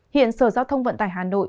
hiện sở giao thông vận tải hà nội